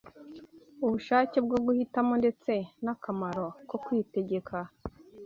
ubushake bwo guhitamo ndetse n’akamaro ko kwitegeka